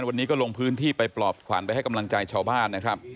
วันนี้ก็ลงพื้นที่ไปปลอบขวัญไปให้กำลังใจชาวบ้านนะครับ